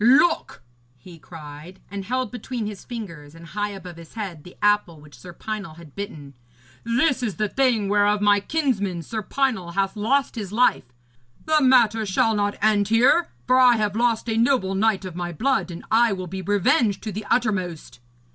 'Look!' he cried, and held between his fingers and high above his head the apple which Sir Pinel had bitten, 'this is the thing whereof my kinsman, Sir Pinel, hath lost his life. The matter shall not end here, for I have lost a noble knight of my blood, and I will be revenged to the uttermost.'